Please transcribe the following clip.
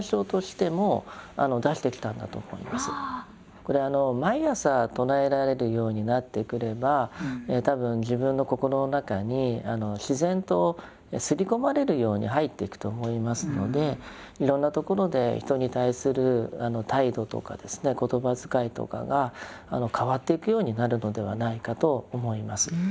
これ毎朝唱えられるようになってくれば多分自分の心の中に自然とすり込まれるように入っていくと思いますのでいろんなところで人に対する態度とか言葉遣いとかが変わっていくようになるのではないかと思います。